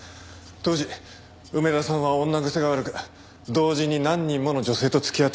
当時梅田さんは女癖が悪く同時に何人もの女性と付き合ってたらしい。